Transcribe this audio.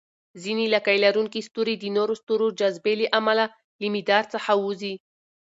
ځینې لکۍ لرونکي ستوري د نورو ستورو جاذبې له امله له مدار څخه ووځي.